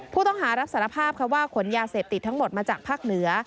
ผู้ต้องหารับสารภาพทั้งหมดว่าขนยาเสพติดมาจากภาคเหนือ